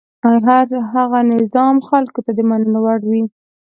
هر هغه نظام خلکو ته د منلو وړ وي.